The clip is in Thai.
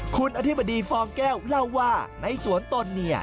คุณอธิบดีฟองแก้วเล่าว่าในสวนตนเนี่ย